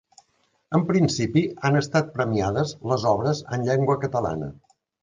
En principi han estat premiades les obres en llengua catalana.